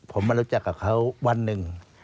ผมมารู้จักกับเขาวันหนึ่ง